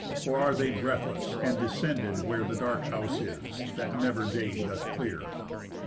Or are they breathless, and descended where The dark house is, that never day doth clear?"